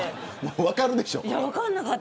分かるでしょ。